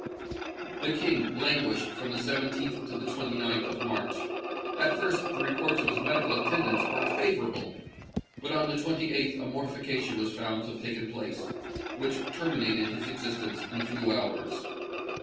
"The King languished from the 17th to the 29th of March. At first, the reports of his medical attendants were favourable; but on the 28th a mortification was found to have taken place, which terminated his existence in a few hours.